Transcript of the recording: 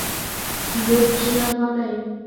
کیلـو په شل افغانۍ.